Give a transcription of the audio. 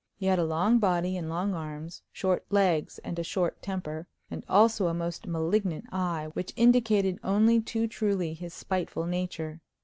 He had a long body and long arms, short legs and a short temper, and also a most malignant eye, which indicated only too truly his spiteful nature.